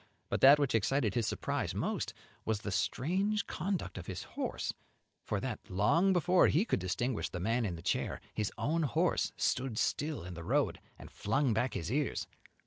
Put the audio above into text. But that which excited his surprise most was the strange conduct of his horse, for that, long before he could distinguish the man in the chair, his own horse stood still in the road and flung back his ears.